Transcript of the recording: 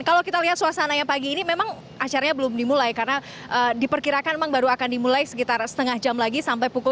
kalau kita lihat suasananya pagi ini memang acaranya belum dimulai karena diperkirakan memang baru akan dimulai sekitar setengah jam lagi sampai pukul